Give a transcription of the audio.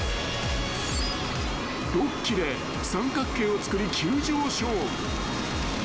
［６機で三角形をつくり急上昇］